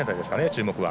注目は。